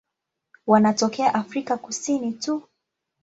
Wanatokea Afrika Kusini tu.